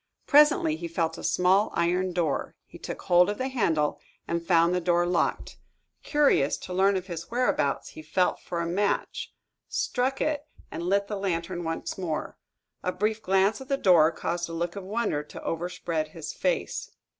Presently he felt a small iron door. He took hold of the handle and found the door locked. Curious to learn his whereabouts, he felt for a match, struck it, and lit the lantern once more. A brief glance at the door caused a look of wonder to overspread his face.